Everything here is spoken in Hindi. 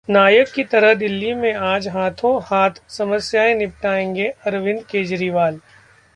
'नायक' की तरह दिल्ली में आज हाथों-हाथ समस्याएं निपटाएंगे अरविंद केजरीवाल